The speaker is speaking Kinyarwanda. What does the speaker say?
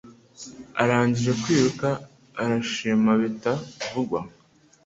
Arangije kwiruka arishima bita vungwa